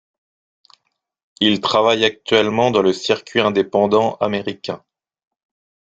Il travaille actuellement dans le Circuit indépendant américain.